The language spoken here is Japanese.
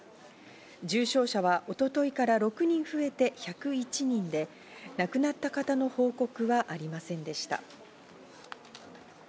重症者は一昨日から６人増えて１０１人で、亡くなった方の報告はありませんでした。